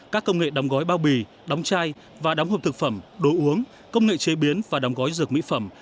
các công nghệ đóng gói bao bì đóng chai và đóng hộp thực phẩm đồ uống công nghệ chế biến và đóng gói dược mỹ phẩm